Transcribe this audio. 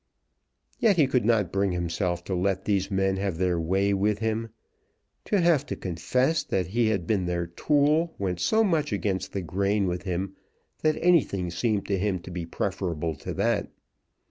Yet he could not bring himself to let these men have their way with him. To have to confess that he had been their tool went so much against the grain with him that anything seemed to him to be preferable to that.